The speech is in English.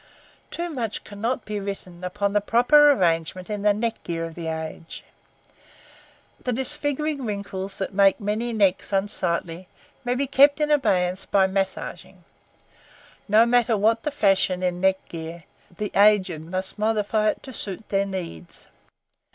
Too much cannot be written upon the proper arrangement in the neck gear of the aged. The disfiguring wrinkles that make many necks unsightly may be kept in obeyance by massaging. No matter what the fashion in neck gear, the aged must modify it to suit their needs.